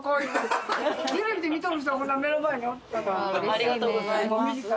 ありがとうございます。